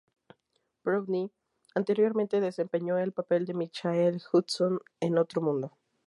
Browne anteriormente desempeñó el papel de Michael Hudson en "Otro mundo".